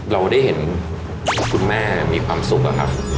เราได้เห็นคุณแม่มีความสุขอะครับ